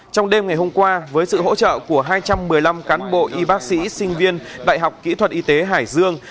trong đêm ngày hôm qua với sự hỗ trợ của hai trăm một mươi năm cán bộ y bác sĩ sinh viên đại học kỹ thuật y tế hải dương